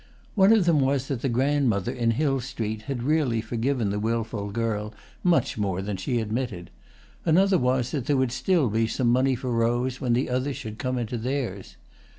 One of them was that the grandmother in Hill Street had really forgiven the wilful girl much more than she admitted. Another was that there would still be some money for Rose when the others should come into theirs.